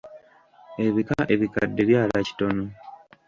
Ebika ebikadde byala kitono.